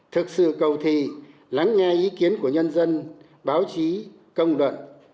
thực sự cầu thị lắng nghe ý kiến của nhân dân báo chí công luận